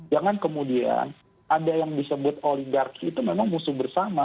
jangan kemudian ada yang disebut oligarki itu memang musuh bersama